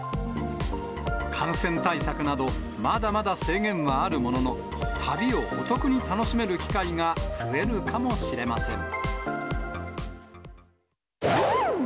感染対策など、まだまだ制限はあるものの、旅をお得に楽しめる機会が増えるかもしれません。